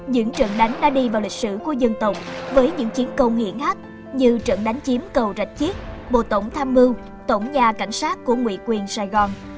những trận đánh đã đi vào lịch sử của dân tộc với những chiến công hiển hách như trận đánh chiếm cầu rạch chiếc bộ tổng tham mưu tổng nhà cảnh sát của nguyện quyền sài gòn